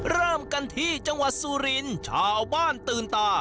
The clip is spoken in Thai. เริ่มกันที่จังหวัดสุรินทร์ชาวบ้านตื่นตา